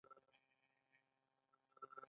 د ګیځ په چای د کوچو خوړل څنګه دي؟